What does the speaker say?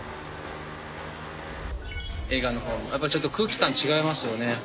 映画の方もやっぱちょっと空気感違いますよね。